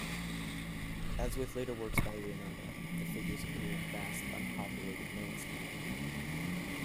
As with later works by Leonardo, the figures appear in a vast unpopulated landscape.